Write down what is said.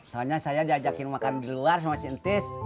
soalnya saya diajakin makan di luar sama si entis